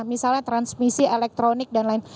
misalnya transmisi elektronik dan lain